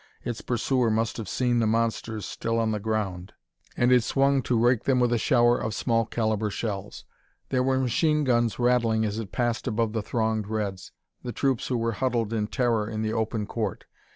Its pursuer must have seen the monsters still on the ground, and it swung to rake them with a shower of small caliber shells. There were machine guns rattling as it passed above the thronged reds the troops who were huddled in terror in the open court.